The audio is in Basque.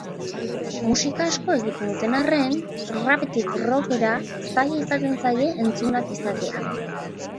Musika asko egiten duten arren, rapetik rockera zaila izaten zaie entzunak izatea.